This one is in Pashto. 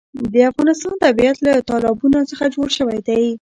د افغانستان طبیعت له تالابونه څخه جوړ شوی دی.